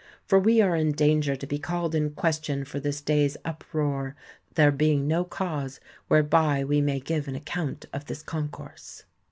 . For we are in danger to be called in question for this day's uproar, there being no cause whereby we may give an account of this concourse.